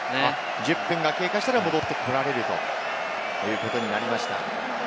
１０分が経過したら戻ってこられるということになりました。